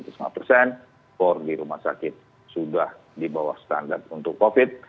cor di rumah sakit sudah di bawah standar untuk covid